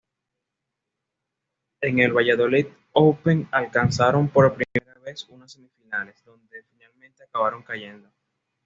En el Valladolid Open alcanzaron por primera vez unas semifinales, donde finalmente acabaron cayendo.